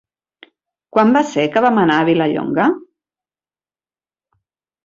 Quan va ser que vam anar a Vilallonga?